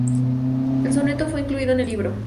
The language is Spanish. El soneto fue incluido en el libro.